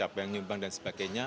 menyumbang dan sebagainya